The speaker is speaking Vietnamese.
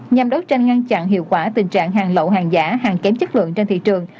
nhằm đối tranh ngăn chặn hiệu quả tình trạng hàng lậu hàng giả hàng kém chất lượng